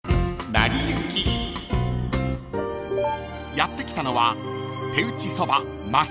［やって来たのは］